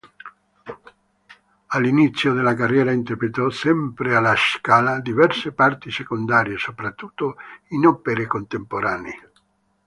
All'inizio della carriera interpretò, sempre alla Scala, diverse parti secondarie, soprattutto in opere contemporanee.